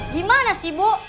gimana sih ibu